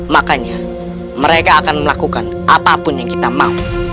makanya mereka akan melakukan apapun yang kita mau